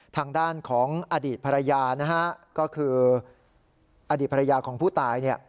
ทางด้านของอดีตภรรยานะฮะก็คืออดีตภรรยาของผู้ตายเนี่ย